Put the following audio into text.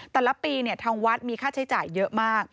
แต่ละปีทางวัดมีค่าใช้จ่ายเยอะมาก